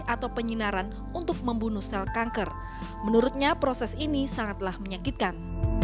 atau penyinaran untuk membunuh sel kanker menurutnya proses ini sangatlah menyakitkan